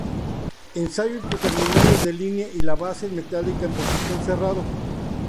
Ensayo entre terminales de línea y la base metálica en posición cerrado.